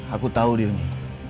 aku tahu dia ini